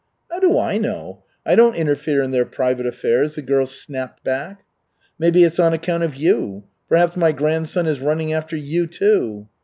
"How do I know? I don't interfere in their private affairs," the girl snapped back. "Maybe it's on account of you. Perhaps my grandson is running after you too?"